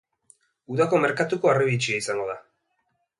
Udako merkatuko harribitxia izango da.